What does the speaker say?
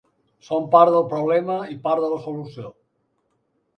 Som part del problema i part de la solució.